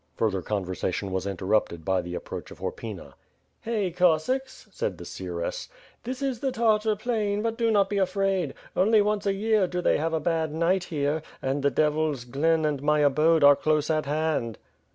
Further conversation was interrupted by the approach of Horpyna. "Hey, Cossacks," said the seeress, "this is the Tartar plain, but do not be afraid. Only once a year, do' they have a bad night here; and the Devils' Glen and my abode are close at hand."